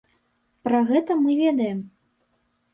Пра гэта мы ведаем.